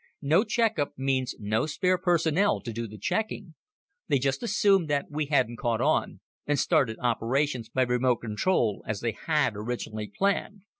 No checkup means no spare personnel to do the checking. They just assumed that we hadn't caught on, and started operations by remote control as they had originally planned."